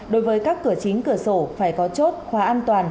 đối với các cửa chính cửa sổ phải có chốt khóa an toàn